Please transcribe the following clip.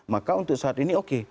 maka untuk saat ini oke